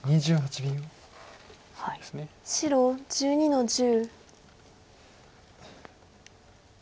白１２の十。